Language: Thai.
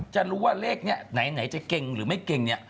จะรู้ว่าเลขนี้ไหนจะเก่งหรือไม่เก่งเนี่ย